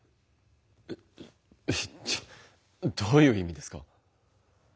えどういう意味ですか。